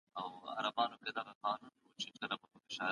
سياست پوهانو د سياست پر علميت شک ښودلی دی.